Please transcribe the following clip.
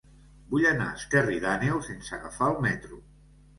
Vull anar a Esterri d'Àneu sense agafar el metro.